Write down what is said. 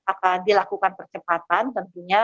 akan dilakukan percepatan tentunya